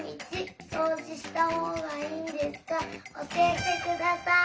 教えてください！